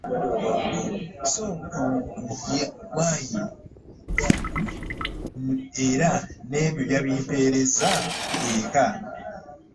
Sso ku Y. Mugadu era n'ebyo yabimpeereza eka